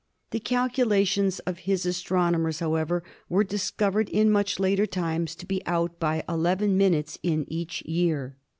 * The calculations of his astronomers, however, were dis covered in much later times to be " out " by eleven min utes in each year.